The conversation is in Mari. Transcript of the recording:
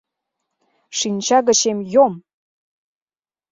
Шинча гычем йом!..